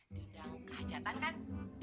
dindang ke hajatan kan